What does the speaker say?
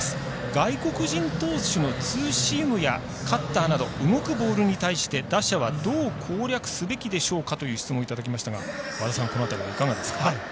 外国人投手のツーシームやカッターなど動くボールに対して打者はどう攻略すべきでしょうかと質問をいただきましたが和田さんいかがですか？